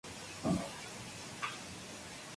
Esta enzima se puede encontrar en la hoja del roble.